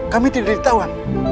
kami tidak ditawan